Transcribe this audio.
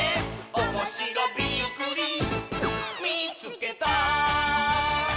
「おもしろびっくりみいつけた！」